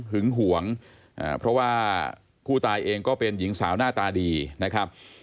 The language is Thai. หึงหวงเพราะว่าผู้ตายเองก็เป็นหญิงสาวหน้าตาดีนะครับ